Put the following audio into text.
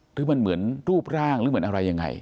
หรือมันเหมือนรูปร่างหรือเหมือนอะไรยังไง